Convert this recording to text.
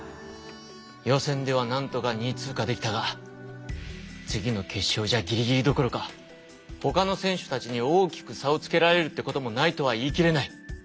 予選ではなんとか２位通過できたが次の決勝じゃギリギリどころかほかの選手たちに大きく差をつけられるってこともないとは言い切れない。